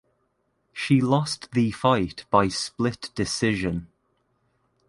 She lost the fight by split decision.